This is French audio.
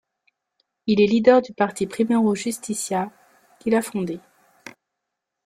Il est leader du parti Primero Justicia, qu'il a fondé.